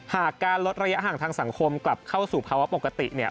หากการลดระยะห่างทางสังคมกลับเข้าสู่ภาวะปกติ